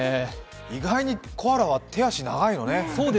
意外にコアラは手足長いのね。